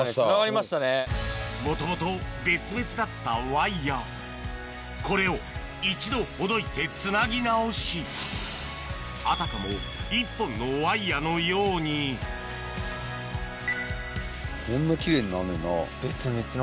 もともと別々だったワイヤこれを一度ほどいてつなぎ直しあたかも１本のワイヤのようにこんな奇麗になんねんな。